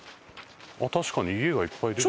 確かに家がいっぱい出てきた。